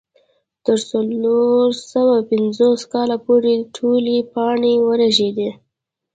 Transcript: تر څلور سوه پنځوس کاله پورې ټولې پاڼې ورژېدې.